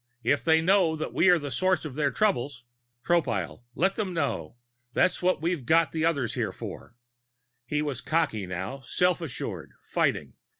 If they know that we are the source of their trouble " Tropile: "Let them know! That's what we've got the others here for!" He was cocky now, self assured, fighting.